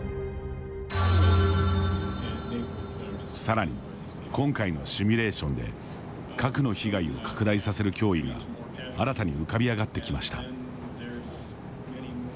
さらに今回のシミュレーションで核の被害を拡大させる脅威が新たに浮かび上がってきました。